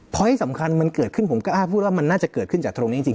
เพราะสำคัญผมก็อาจพูดว่ามันน่าจะเกิดขึ้นจากตรงนี้จริง